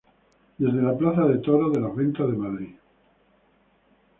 Desde la plaza de toros de Las Ventas de Madrid.